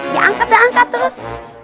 ya angkat angkat terus